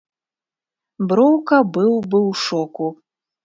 Броўка быў бы ў шоку.